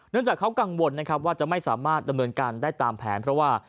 จากเขากังวลนะครับว่าจะไม่สามารถดำเนินการได้ตามแผนเพราะว่า